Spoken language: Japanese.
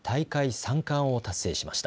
３冠を達成しました。